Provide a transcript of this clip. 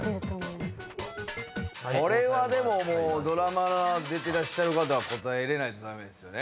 これはでももうドラマ出てらっしゃる方は答えれないと駄目ですよね。